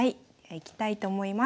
いきたいと思います。